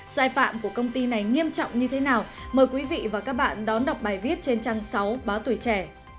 sai phạm của công ty này nghiêm trọng như thế nào mời quý vị và các bạn đón đọc bài viết trên trang sáu báo tuổi trẻ